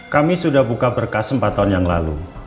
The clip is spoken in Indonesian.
kami sudah buka berkas empat tahun yang lalu